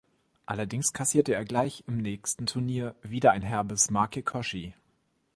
Allerdings kassierte er gleich im nächsten Turnier wieder ein herbes Make-koshi.